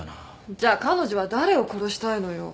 じゃあ彼女は誰を殺したいのよ？